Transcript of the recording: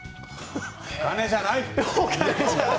お金じゃない。